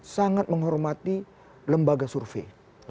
sangat menghormati lembaga survei